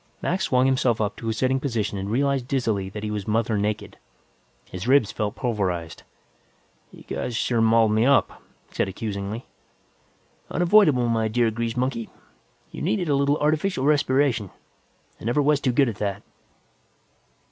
Mac swung himself up to a sitting position and realized dizzily that he was mother naked. His ribs felt pulverized. "You guys sure mauled me up," he said accusingly. "Unavoidable, my dear grease monkey. You needed a little artificial respiration; I never was too good at that."